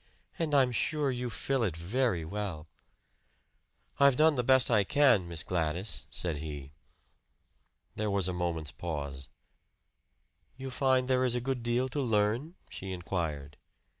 "And I'm sure you fill it very well." "I've done the best I can, Miss Gladys," said he. There was a moment's pause. "You find there is a good deal to learn?" she inquired.